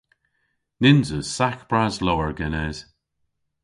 Nyns eus sagh bras lowr genes.